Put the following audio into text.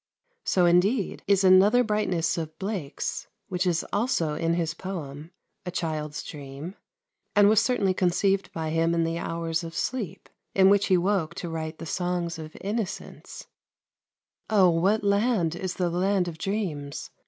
So, indeed, is another brightness of Blake's, which is also, in his poem, a child's dream, and was certainly conceived by him in the hours of sleep, in which he woke to write the Songs of Innocence: O what land is the land of dreams?